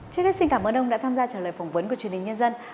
trước hết xin cảm ơn ông đã tham gia trả lời phỏng vấn của truyền hình nhân dân